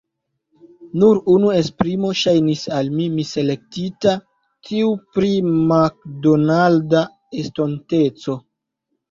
Nur unu esprimo ŝajnis al mi miselektita: tiu pri makdonalda estonteco.